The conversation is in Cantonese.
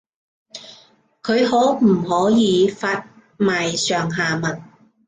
佢可唔可以發埋上下文